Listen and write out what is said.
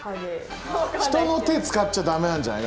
人の手使っちゃ駄目なんじゃない？